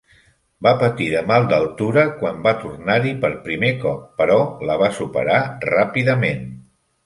Va patir de mal d"altura quan va tornar-hi per primer cop, però la va superar ràpidament.